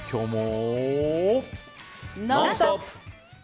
「ノンストップ！」。